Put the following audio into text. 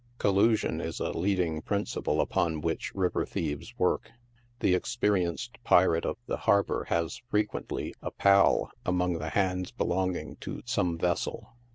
Collusion i3 a leading principle upon which river thieves work. The experienced pirate of the harbor has frequently a " pal" among the hands belonging to some vessel.